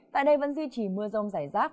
tại đây vẫn duy trì mưa rông dài rác